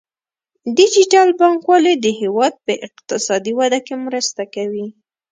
ډیجیټل بانکوالي د هیواد په اقتصادي وده کې مرسته کوي.